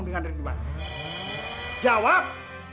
dengan ridwan jawab